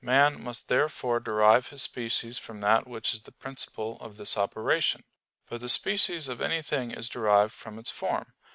Man must therefore derive his species from that which is the principle of this operation. But the species of anything is derived from its form.